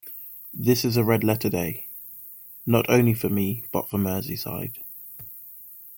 This is a red letter day, not only for me but for Merseyside.